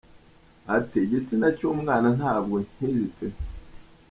Ati “Igitsina cy’umwana ntabwo nkizi pe”.